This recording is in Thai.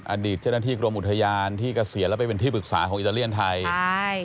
อดีตเจ้าหน้าที่กรมอุทยานที่เกษียณแล้วไปเป็นที่ปรึกษาของอิตาเลียนไทยใช่